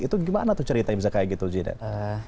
itu gimana tuh cerita yang bisa kayak gitu zidane